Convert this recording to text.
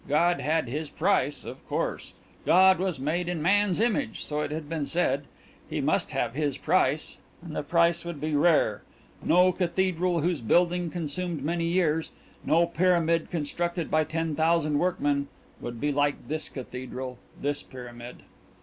God had His price, of course. God was made in man's image, so it had been said: He must have His price. And the price would be rare no cathedral whose building consumed many years, no pyramid constructed by ten thousand workmen, would be like this cathedral, this pyramid.